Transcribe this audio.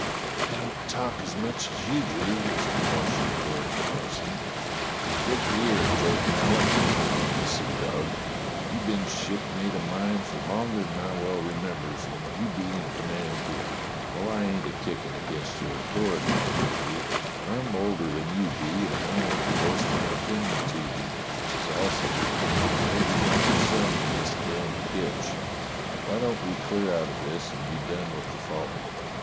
"They don't talk as much as you do," was the hushed retort of the bo'sun. "Look ye 'ere, Job Mallet," went on the seadog, "you've been shipmate o' mine fer longer than I well remembers, and you be in command here. Well, I ain't a kickin' against your authority, mind you, but I'm older than you be, and I want to voice my opinion to you, which is also the opinion of every mother's son in this damned ditch. Why don't we clear out of this and be done with the folly